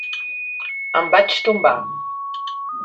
Em vaig tombar.